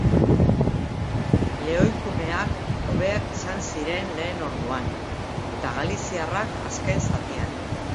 Lehoikumeak hobeak izan ziren lehen orduan, eta galiziarrak, azken zatian.